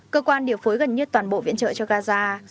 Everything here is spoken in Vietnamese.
cơ quan điều phối gần nhất toàn bộ viện trợ cho gaza